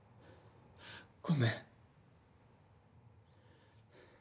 ごめん。